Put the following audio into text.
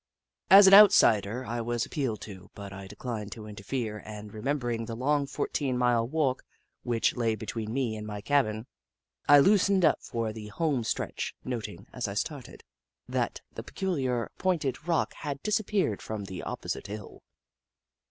As an outsider, I was appealed to, but I declined to interfere, and, rememberinor the lonof fourteen mile walk which lay between me and my cabin, I loosened up for the home stretch, noting, as I started, that Jagg, the Skootaway Goat 29 the pecuHar, pointed rock had disappeared from the opposite hill.